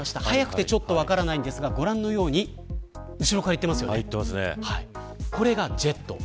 早くてちょっと分からないですがご覧のように後ろから行っていますよね。